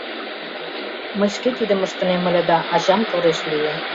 Мый шке тидым ыштынем ыле да ачам тореш лие».